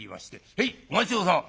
「へいお待ち遠さま」。